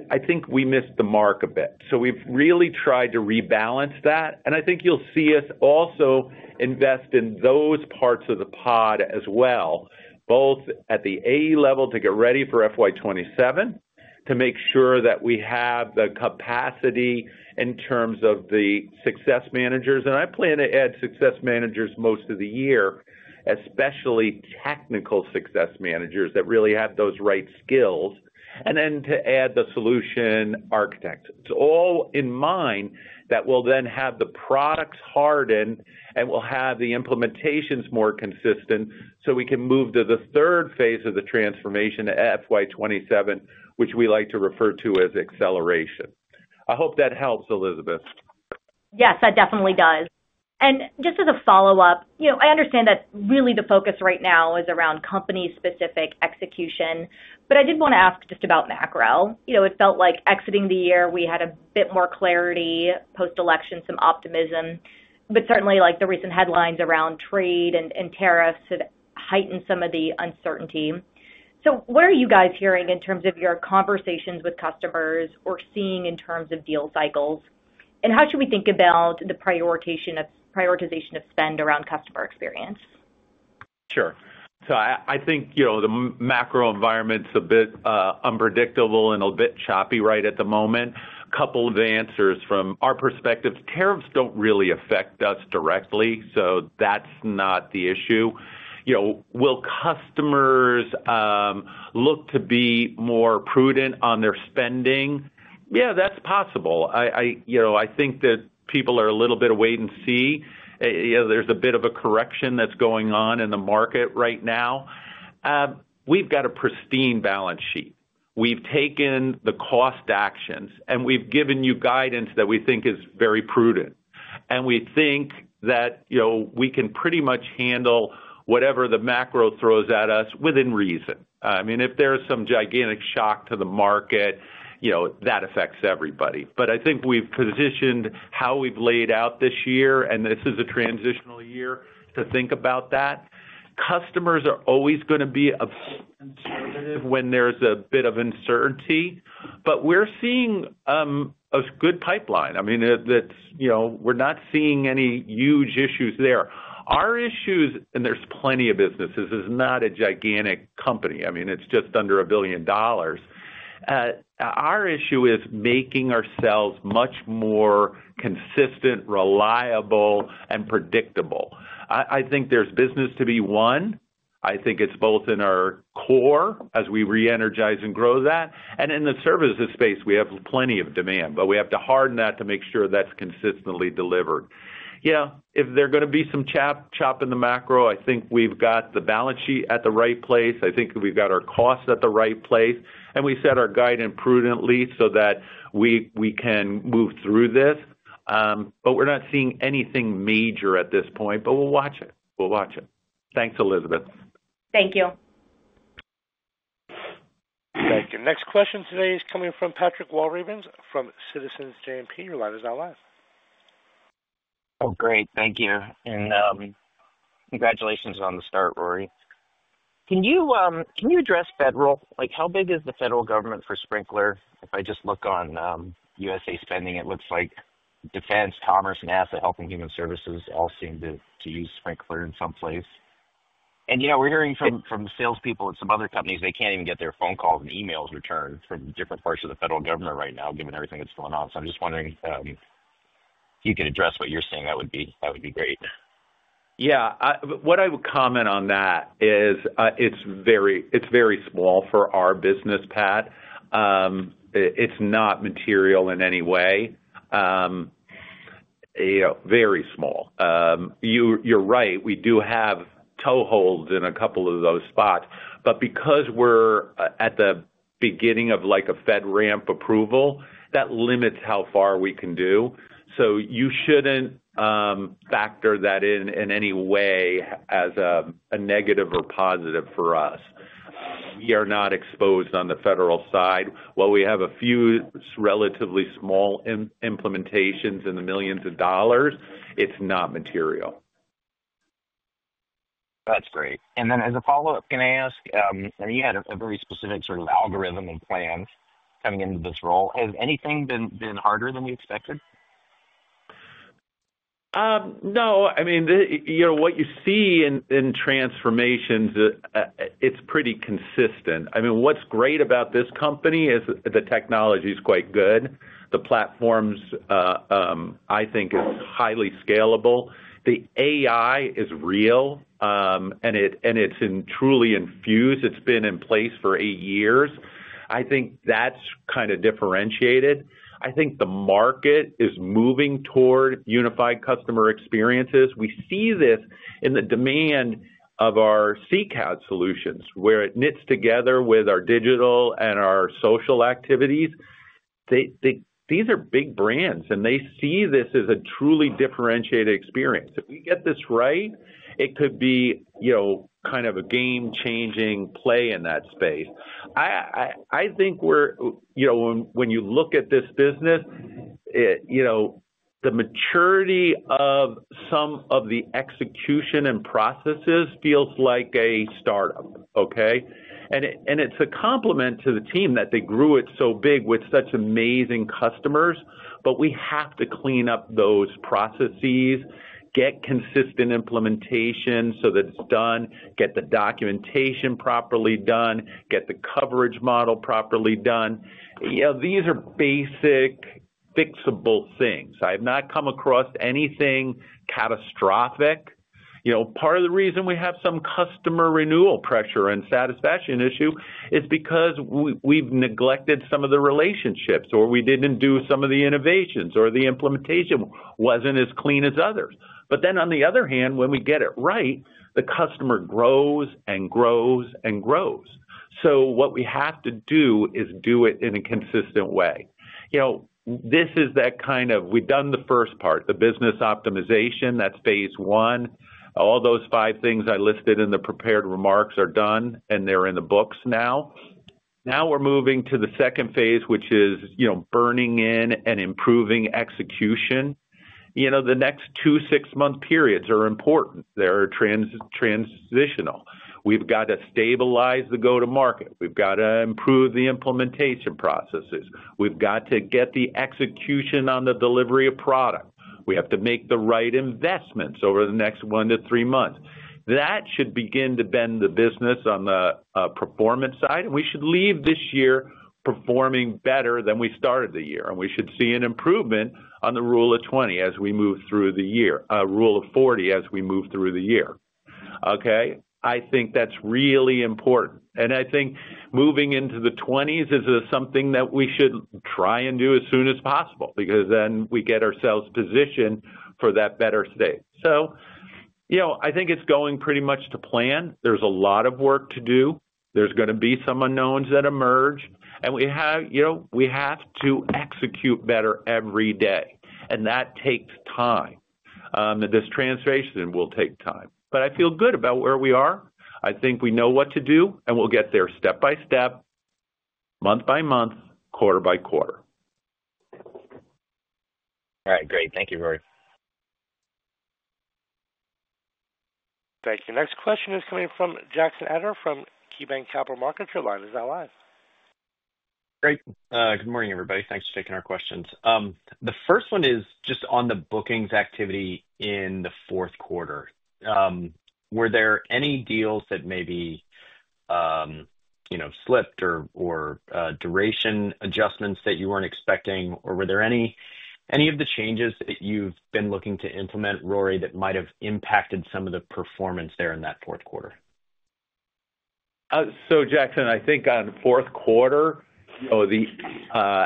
I think we missed the mark a bit. We have really tried to rebalance that. I think you will see us also invest in those parts of the pod as well, both at the AE level to get ready for FY2027, to make sure that we have the capacity in terms of the success managers. I plan to add success managers most of the year, especially technical success managers that really have those right skills, and then to add the solution architects. It is all in mind that we will then have the products hardened and we will have the implementations more consistent so we can move to the third phase of the transformation at FY2027, which we like to refer to as acceleration. I hope that helps, Elizabeth. Yes, that definitely does. Just as a follow-up, I understand that really the focus right now is around company-specific execution. I did want to ask just about macro. It felt like exiting the year, we had a bit more clarity post-election, some optimism. Certainly, the recent headlines around trade and tariffs have heightened some of the uncertainty. What are you guys hearing in terms of your conversations with customers or seeing in terms of deal cycles? How should we think about the prioritization of spend around customer experience? Sure. I think the macro environment's a bit unpredictable and a bit choppy right at the moment. A couple of answers from our perspective. Tariffs do not really affect us directly, so that's not the issue. Will customers look to be more prudent on their spending? Yeah, that's possible. I think that people are a little bit await and see. There's a bit of a correction that's going on in the market right now. We've got a pristine balance sheet. We've taken the cost actions, and we've given you guidance that we think is very prudent. We think that we can pretty much handle whatever the macro throws at us within reason. I mean, if there's some gigantic shock to the market, that affects everybody. I think we've positioned how we've laid out this year, and this is a transitional year to think about that. Customers are always going to be conservative when there's a bit of uncertainty. We're seeing a good pipeline. I mean, we're not seeing any huge issues there. Our issue and there's plenty of businesses is not a gigantic company. I mean, it's just under a billion dollars. Our issue is making ourselves much more consistent, reliable, and predictable. I think there's business to be won. I think it's both in our core as we reenergize and grow that. And in the services space, we have plenty of demand, but we have to harden that to make sure that's consistently delivered. Yeah, if there's going to be some chop in the macro, I think we've got the balance sheet at the right place. I think we've got our costs at the right place. And we set our guide in prudently so that we can move through this. But we're not seeing anything major at this point, but we'll watch it. We'll watch it. Thanks, Elizabeth. Thank you. Thank you. Next question today is coming from Patrick Walravens from Citizens JMP. Your line is now live. Oh, great. Thank you. And congratulations on the start, Rory. Can you address federal? How big is the federal government for Sprinklr? If I just look on USAspending, it looks like Defense, Commerce, NASA, Health and Human Services all seem to use Sprinklr in some place. We're hearing from salespeople at some other companies, they can't even get their phone calls and emails returned from different parts of the federal government right now, given everything that's going on. I'm just wondering if you could address what you're seeing, that would be great. Yeah. What I would comment on that is it's very small for our business, Pat. It's not material in any way. Very small. You're right. We do have toeholds in a couple of those spots. Because we're at the beginning of a FedRAMP approval, that limits how far we can do. You shouldn't factor that in in any way as a negative or positive for us. We are not exposed on the federal side. While we have a few relatively small implementations in the millions of dollars, it's not material. That's great. As a follow-up, can I ask? You had a very specific sort of algorithm and plan coming into this role. Has anything been harder than we expected? No. I mean, what you see in transformations, it's pretty consistent. I mean, what's great about this company is the technology's quite good. The platforms, I think, are highly scalable. The AI is real, and it's truly infused. It's been in place for eight years. I think that's kind of differentiated. I think the market is moving toward unified customer experiences. We see this in the demand of our CCaaS solutions, where it knits together with our digital and our social activities. These are big brands, and they see this as a truly differentiated experience. If we get this right, it could be kind of a game-changing play in that space. I think when you look at this business, the maturity of some of the execution and processes feels like a startup, okay? It is a compliment to the team that they grew it so big with such amazing customers. We have to clean up those processes, get consistent implementation so that it is done, get the documentation properly done, get the coverage model properly done. These are basic, fixable things. I have not come across anything catastrophic. Part of the reason we have some customer renewal pressure and satisfaction issue is because we've neglected some of the relationships, or we didn't do some of the innovations, or the implementation wasn't as clean as others. On the other hand, when we get it right, the customer grows and grows and grows. What we have to do is do it in a consistent way. This is that kind of we've done the first part, the business optimization. That's phase one. All those five things I listed in the prepared remarks are done, and they're in the books now. Now we're moving to the second phase, which is burning in and improving execution. The next two six-month periods are important. They're transitional. We've got to stabilize the go-to-market. We've got to improve the implementation processes. We've got to get the execution on the delivery of product. We have to make the right investments over the next one to three months. That should begin to bend the business on the performance side. We should leave this year performing better than we started the year. We should see an improvement on the Rule of 20 as we move through the year, Rule of 40 as we move through the year. Okay? I think that's really important. I think moving into the 20s is something that we should try and do as soon as possible because then we get ourselves positioned for that better state. I think it's going pretty much to plan. There's a lot of work to do. There's going to be some unknowns that emerge. We have to execute better every day. That takes time. This transformation will take time. I feel good about where we are. I think we know what to do, and we'll get there step by step, month by month, quarter by quarter. All right. Great. Thank you, Rory. Thank you. Next question is coming from Jackson Ader from KeyBanc Capital Markets. Your line live. Great. Good morning, everybody. Thanks for taking our questions. The first one is just on the bookings activity in the Q4. Were there any deals that maybe slipped or duration adjustments that you were not expecting? Or were there any of the changes that you have been looking to implement, Rory, that might have impacted some of the performance there in that Q4? Jackson, I think on the Q4, the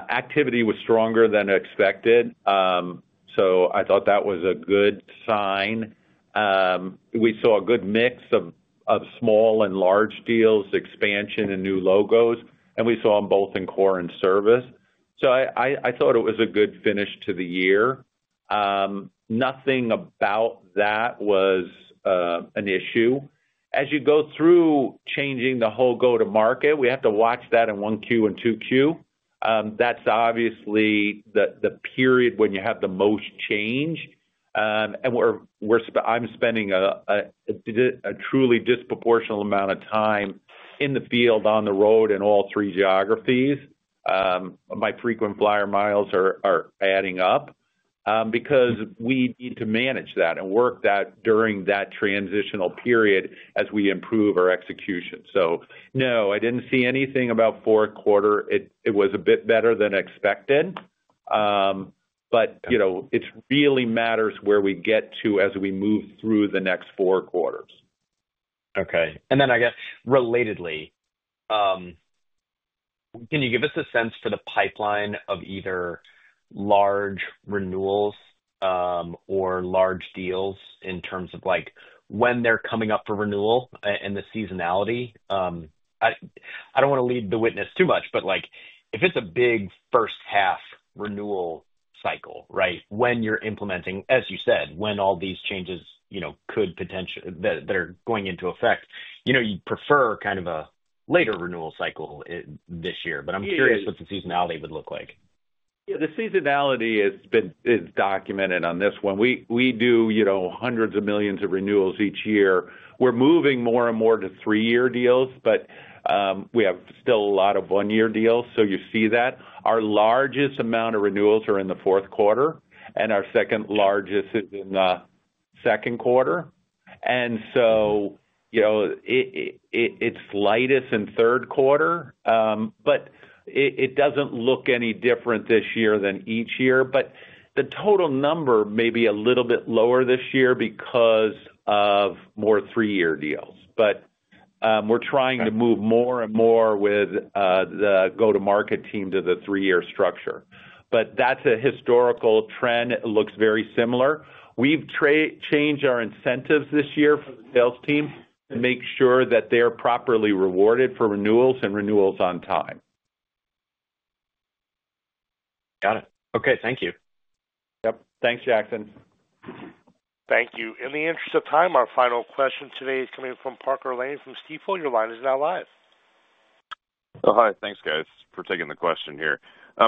activity was stronger than expected. I thought that was a good sign. We saw a good mix of small and large deals, expansion, and new logos. We saw them both in core and service. I thought it was a good finish to the year. Nothing about that was an issue. As you go through changing the whole go-to-market, we have to watch that in 1Q and 2Q. That is obviously the period when you have the most change. I'm spending a truly disproportional amount of time in the field, on the road, in all three geographies. My frequent flyer miles are adding up because we need to manage that and work that during that transitional period as we improve our execution. No, I didn't see anything about Q4. It was a bit better than expected. It really matters where we get to as we move through the next four quarters. Okay. I guess, relatedly, can you give us a sense for the pipeline of either large renewals or large deals in terms of when they're coming up for renewal and the seasonality? I don't want to lead the witness too much, but if it's a big first-half renewal cycle, right, when you're implementing, as you said, when all these changes could potentially that are going into effect, you'd prefer kind of a later renewal cycle this year. I'm curious what the seasonality would look like. Yeah. The seasonality has been documented on this one. We do hundreds of millions of renewals each year. We're moving more and more to three-year deals, but we have still a lot of one-year deals, so you see that. Our largest amount of renewals are in the Q4, and our second largest is in the Q2. It's lightest in Q3, but it doesn't look any different this year than each year. The total number may be a little bit lower this year because of more three-year deals. We're trying to move more and more with the go-to-market team to the three-year structure. That's a historical trend. It looks very similar. We've changed our incentives this year for the sales team to make sure that they're properly rewarded for renewals and renewals on time. Got it. Okay. Thank you. Yep. Thanks, Jackson. Thank you. In the interest of time, our final question today is coming from Parker Lane from Stifel. Your line is now live. Oh, hi. Thanks, guys, for taking the question here.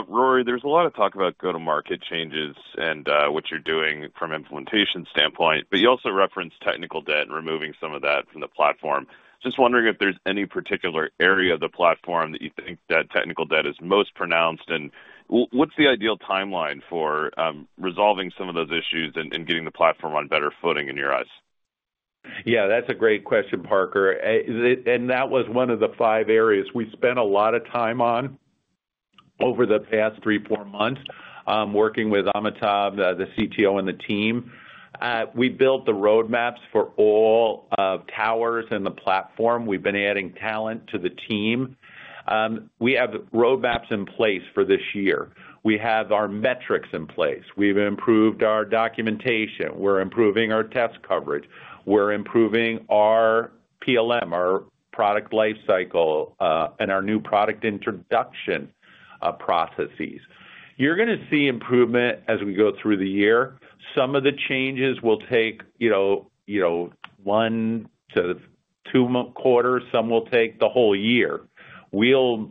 Rory, there's a lot of talk about go-to-market changes and what you're doing from an implementation standpoint. You also referenced technical debt and removing some of that from the platform. Just wondering if there's any particular area of the platform that you think that technical debt is most pronounced. What's the ideal timeline for resolving some of those issues and getting the platform on better footing in your eyes? Yeah. That's a great question, Parker. That was one of the five areas we spent a lot of time on over the past three, four months working with Amitabh, the CTO, and the team. We built the roadmaps for all towers and the platform. We've been adding talent to the team. We have roadmaps in place for this year. We have our metrics in place. We've improved our documentation. We're improving our test coverage. We're improving our PLM, our product lifecycle, and our new product introduction processes. You're going to see improvement as we go through the year. Some of the changes will take one to two quarters. Some will take the whole year. We'll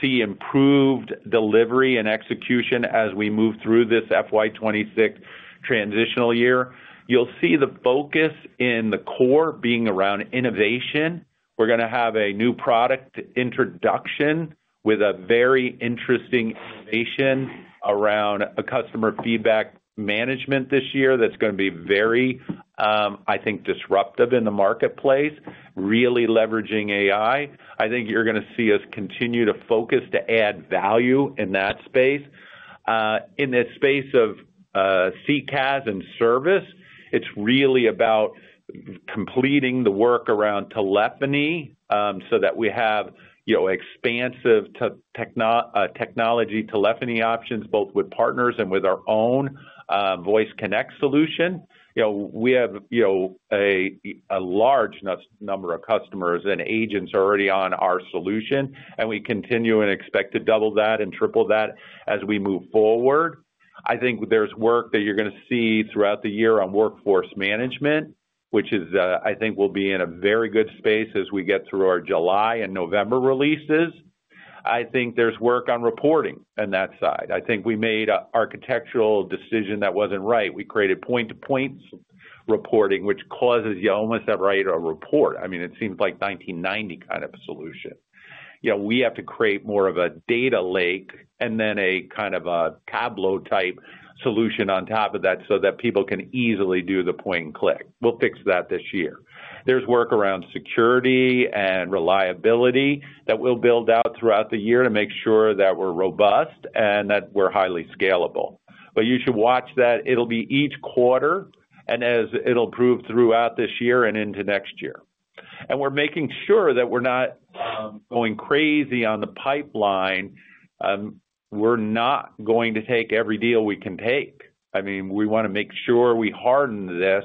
see improved delivery and execution as we move through this FY26 transitional year. You'll see the focus in the core being around innovation. We're going to have a new product introduction with a very interesting innovation around customer feedback management this year that's going to be very, I think, disruptive in the marketplace, really leveraging AI. I think you're going to see us continue to focus to add value in that space. In the space of CCaaS and service, it's really about completing the work around telephony so that we have expansive technology telephony options both with partners and with our own Voice Connect solution. We have a large number of customers and agents already on our solution, and we continue and expect to double that and triple that as we move forward. I think there's work that you're going to see throughout the year on workforce management, which I think will be in a very good space as we get through our July and November releases. I think there's work on reporting on that side. I think we made an architectural decision that wasn't right. We created point-to-point reporting, which causes you almost to write a report. I mean, it seems like 1990 kind of a solution. We have to create more of a data lake and then a kind of a Tableau-type solution on top of that so that people can easily do the point-and-click. We'll fix that this year. There's work around security and reliability that we'll build out throughout the year to make sure that we're robust and that we're highly scalable. You should watch that. It'll be each quarter, and it'll improve throughout this year and into next year. We're making sure that we're not going crazy on the pipeline. We're not going to take every deal we can take. I mean, we want to make sure we harden this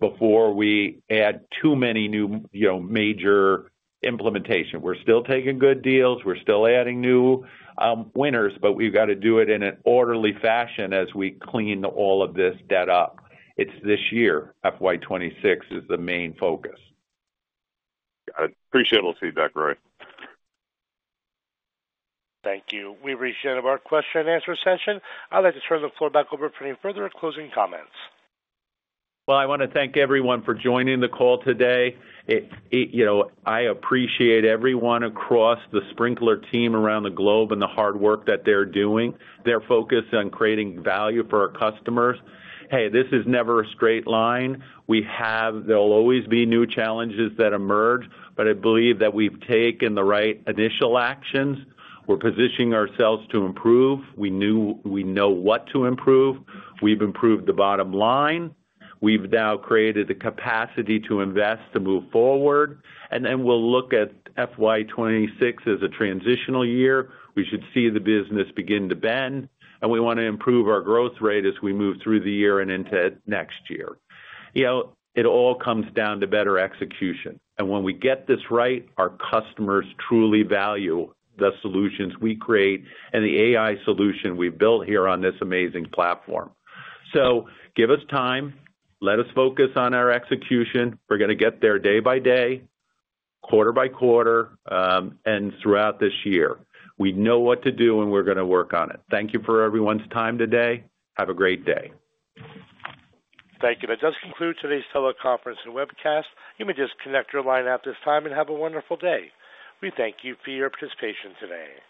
before we add too many new major implementations. We're still taking good deals. We're still adding new winners, but we've got to do it in an orderly fashion as we clean all of this debt up. It's this year. FY2026 is the main focus. Got it. Appreciable feedback, Rory. Thank you. We appreciate our question-and-answer session. I'd like to turn the floor back over for any further closing comments. I want to thank everyone for joining the call today. I appreciate everyone across the Sprinklr team around the globe and the hard work that they're doing, their focus on creating value for our customers. Hey, this is never a straight line. There'll always be new challenges that emerge, but I believe that we've taken the right initial actions. We're positioning ourselves to improve. We know what to improve. We've improved the bottom line. We've now created the capacity to invest to move forward. We will look at FY2026 as a transitional year. We should see the business begin to bend, and we want to improve our growth rate as we move through the year and into next year. It all comes down to better execution. When we get this right, our customers truly value the solutions we create and the AI solution we've built here on this amazing platform. Give us time. Let us focus on our execution. We're going to get there day by day, quarter by quarter, and throughout this year. We know what to do, and we're going to work on it. Thank you for everyone's time today. Have a great day. Thank you. That does conclude today's teleconference and webcast. You may disconnect your line at this time and have a wonderful day. We thank you for your participation today.